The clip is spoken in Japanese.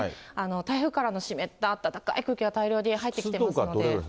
台風からの湿った温かい空気が大量に入ってきていますので。